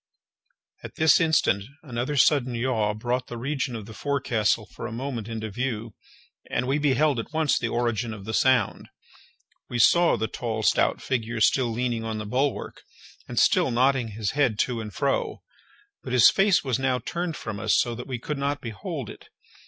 At this instant another sudden yaw brought the region of the forecastle for a moment into view, and we beheld at once the origin of the sound. We saw the tall stout figure still leaning on the bulwark, and still nodding his head to and fro, but his face was now turned from us so that we could not behold it.